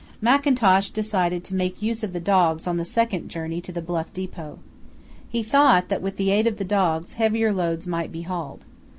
Mackintosh decided to make use of the dogs on the second journey to the Bluff depot. He thought that with the aid of the dogs heavier loads might be hauled.